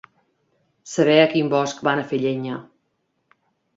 Saber a quin bosc van a fer llenya.